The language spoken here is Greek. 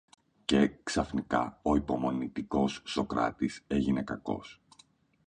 Και, ξαφνικά, ο υπομονητικός Σωκράτης έγινε κακός